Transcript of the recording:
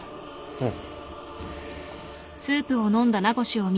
うん